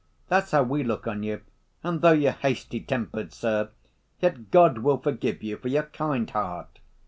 that's how we look on you ... and though you're hasty‐tempered, sir, yet God will forgive you for your kind heart."